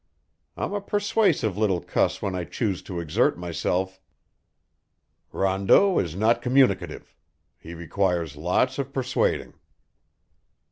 I'm a persuasive little cuss when I choose to exert myself." "Rondeau is not communicative. He requires lots of persuading."